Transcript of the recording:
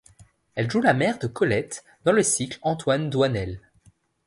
Elle joue la mère de Colette dans le cycle Antoine Doinel.